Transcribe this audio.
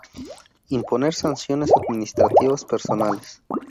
Imponer sanciones administrativas personales.